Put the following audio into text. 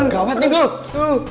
gawat nih dul